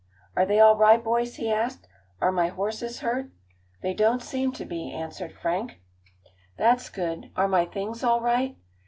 "Are they all right, boys?" he asked. "Are my horses hurt?" "They don't seem to be," answered Frank. "That's good. Are my things all right?"